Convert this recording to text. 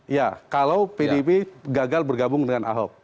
ya kalau pdip gagal bergabung dengan ahok